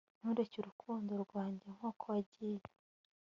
ntureke urukundo rwanjye nkuko wagiye